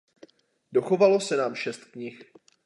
Dochovalo se nám šest knih.